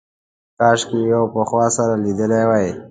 کاشکې یې پخوا سره لیدلي وای.